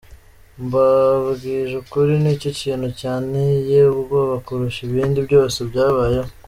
Mbabwije ukuri, nicyo kintu cyanteye ubwoba kurusha ibindi byose byabayeho.